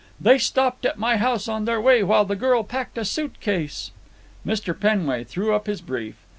"They stopped at my house on their way while the girl packed a suitcase." Mr. Penway threw up his brief.